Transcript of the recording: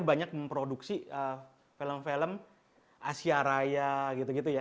banyak memproduksi film film asia raya gitu gitu ya